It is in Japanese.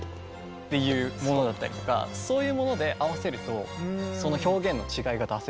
っていうものだったりとかそういうもので合わせるとその表現の違いが出せるっていうのが。